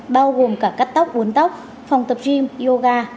bao gồm cả cắt tóc uốn tóc phòng tập gym yoga